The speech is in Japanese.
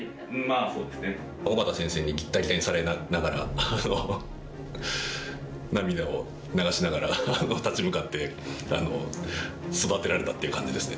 小県先生にギッタギタにされながら涙を流しながら立ち向かって育てられたっていう感じですね。